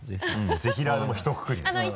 ぜひらーでもうひとくくりですから。